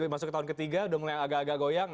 masuk ke tahun ketiga udah mulai agak agak goyang